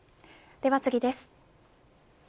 では次です。